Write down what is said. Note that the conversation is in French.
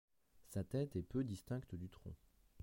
Sa tête est peu distincte du tronc.